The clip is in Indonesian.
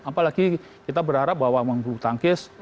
apalagi kita berharap bahwa memang bulu tangkis